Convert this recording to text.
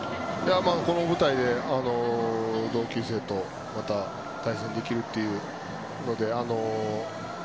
この舞台で同級生とまた対戦できるというので。